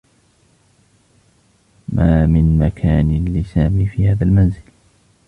ما من مكان لسامي في هذا المنزل.